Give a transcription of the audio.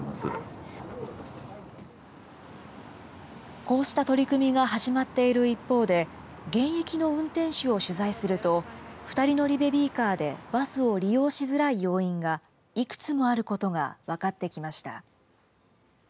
こうした取り組みが始まっている一方で、現役の運転手を取材すると、２人乗りベビーカーでバスを利用しづらい要因が、いくつもあることが分かってきました。